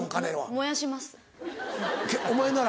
燃やします。